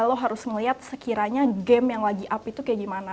lo harus ngeliat sekiranya game yang lagi up itu kayak gimana